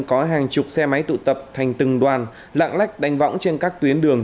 có hàng chục xe máy tụ tập thành từng đoàn lạng lách đánh võng trên các tuyến đường